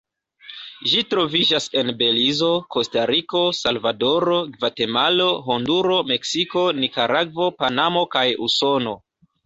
Ĝi troviĝas en Belizo, Kostariko, Salvadoro, Gvatemalo, Honduro, Meksiko, Nikaragvo, Panamo kaj Usono.